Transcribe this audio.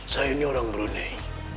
saya ini orang brunei